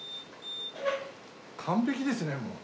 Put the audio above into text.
完璧ですねもう。